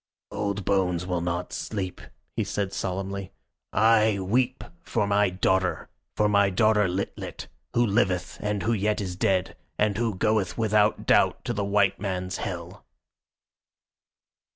"Old bones will not sleep," he said solemnly. "I weep for my daughter, for my daughter Lit lit, who liveth and who yet is dead, and who goeth without doubt to the white man's hell."